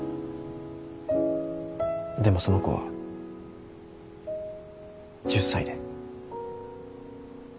でもその子は１０才で。